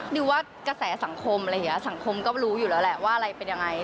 ดิวว่ากระแสสังคมสังคมก็รู้อยู่แล้วว่าอะไรเป็นอย่างไร